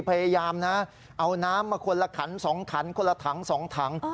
พยายามนะเอาน้ำมาคนละถัง๒ถัง